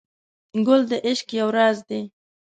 ګل د عشق یو راز دی.